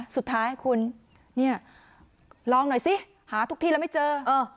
สุดท้ายคุณเนี่ยลองหน่อยสิหาทุกที่แล้วไม่เจอเออ